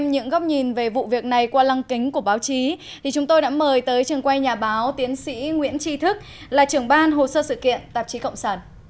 ngoài nhà báo tiến sĩ nguyễn tri thức là trưởng ban hồ sơ sự kiện tạp chí cộng sản